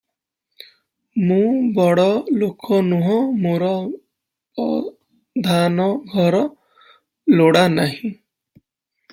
ମୁଁ ବଡ଼ଲୋକ ନୁହେଁ; ମୋର ପଧାନଘର ଲୋଡ଼ା ନାହିଁ ।